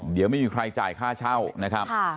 เดี๋ยวไม่มีใครจ่ายค่าเช่านะครับ